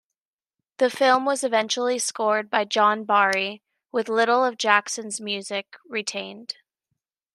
The film was eventually scored by John Barry, with little of Jackson's music retained.